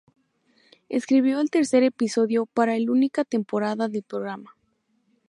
Escribió el tercer episodio para el única temporada del programa.